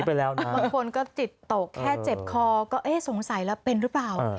บางคนก็จิตตกแค่เจ็บคอก็เอ๊ะสงสัยแล้วเป็นหรือเปล่า